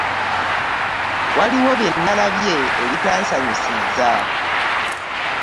Waliwo bye nalabye ebitansanyusizza.